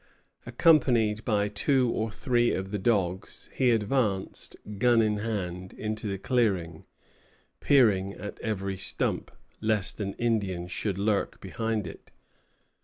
Accompanied by two or three of the dogs, he advanced, gun in hand, into the clearing, peering at every stump, lest an Indian should lurk behind it.